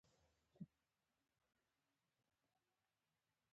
د حیواناتو نسل اصلاح د توليد کیفیت ته وده ورکوي.